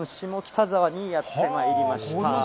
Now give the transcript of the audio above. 下北沢にやってまいりました。